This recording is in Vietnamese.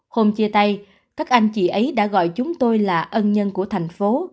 hôm chia tay các anh chị ấy đã gọi chúng tôi là ân nhân của thành phố